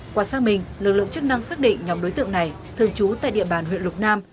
qua sang mình lực lượng chức năng xác định nhóm đối tượng này thường trú tại địa bàn huyện lục nam